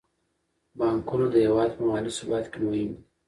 بانکونه د هیواد په مالي ثبات کې مهم دي.